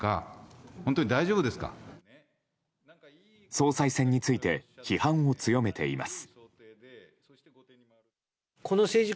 総裁選について批判を強めています。